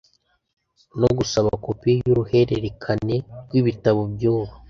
no gusaba kopi yuruhererekane rwibitabo byubu